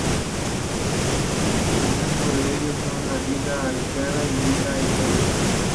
Ejemplos de ello son la Liga Aquea y la Liga Etolia.